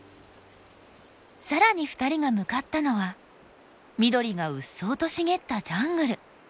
更に２人が向かったのは緑がうっそうと茂ったジャングル。